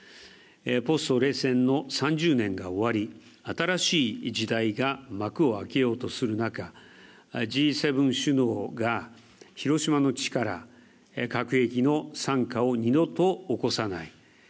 ポスト冷戦の３０年が終わり新しい時代が幕をあけようとする中、Ｇ７首脳が広島の力、核兵器の惨禍を二度と起こさない。